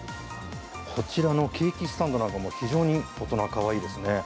こちらのケーキスタンドなんかも、非常に大人かわいいですね。